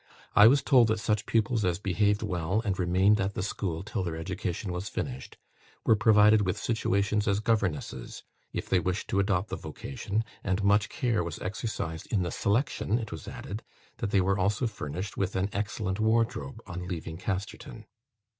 I was told that such pupils as behaved well, and remained at the school till their education was finished, were provided with situations as governesses, if they wished to adopt the vocation and much care was exercised in the selection, it was added, that they were also furnished with an excellent wardrobe on leaving Casterton.